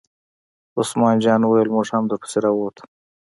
عثمان جان وویل: موږ هم در پسې را ووتو.